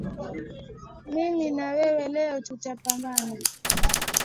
Mimi na wewe leo tutapambana